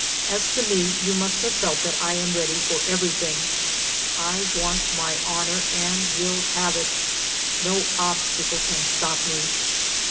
As to me, you must have felt that I am ready for every thing. I want my honor and will have it! No obstacle can stop me.